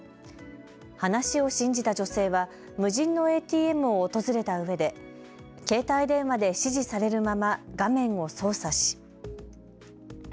話を信じた女性は無人のＡＴＭを訪れたうえで携帯電話で指示されるまま画面を操作し。